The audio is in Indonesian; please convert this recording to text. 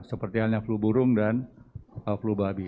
seperti halnya flu burung dan flu babi